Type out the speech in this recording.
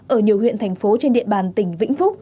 ở nhiều huyện thành phố trên địa bàn tỉnh vĩnh phúc